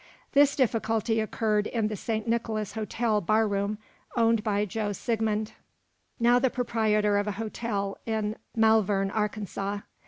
This difficulty occurred in the St. Nicholas Hotel bar room, owned by Joe Siegmund, now the proprietor of a hotel in Malvern, Arkansas.